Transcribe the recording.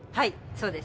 そうです。